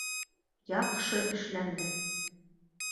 — Яҡшы эшләнде!